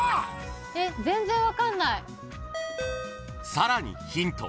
［さらにヒント］